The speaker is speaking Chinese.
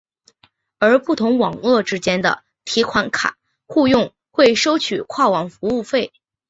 而不同网络之间的提款卡互用会收取跨网服务费。